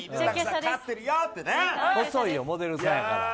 細いよ、モデルさんやから。